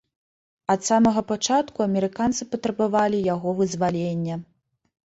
Ад самага пачатку амерыканцы патрабавалі яго вызвалення.